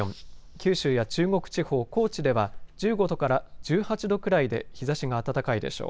九州や中国地方、高知では１５度から１８度くらいで日ざしが暖かいでしょう。